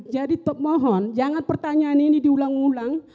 jadi toh mohon jangan pertanyaan ini diulang ulang